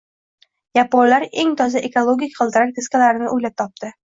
Yaponlar eng toza ekologik g‘ildirak diskalarini o‘ylab topdi